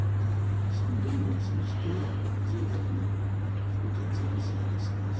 ３分の１の人は、従来のお客さん、サービス。